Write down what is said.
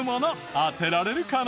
当てられるかな？